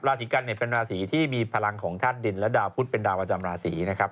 ราศีกันเนี่ยเป็นราศีที่มีพลังของธาตุดินและดาวพุทธเป็นดาวประจำราศีนะครับ